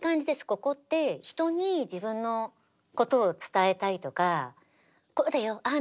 ここって人に自分のことを伝えたいとかこうだよああ